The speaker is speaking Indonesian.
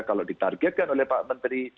kalau ditargetkan oleh pak menteri